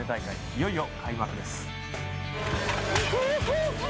いよいよ開幕です。